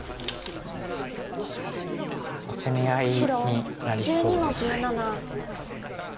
攻め合いになりそうです。